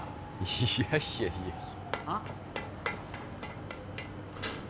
いやいやいやあっ？